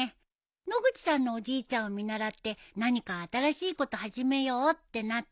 野口さんのおじいちゃんを見習って何か新しいこと始めようってなったんだ。